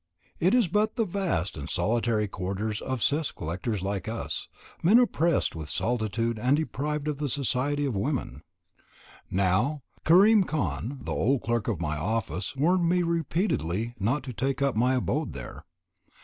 It is but the vast and solitary quarters of cess collectors like us, men oppressed with solitude and deprived of the society of women. Now, Karim Khan, the old clerk of my office, warned me repeatedly not to take up my abode there.